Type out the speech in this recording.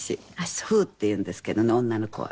「ふう」っていうんですけどね女の子は。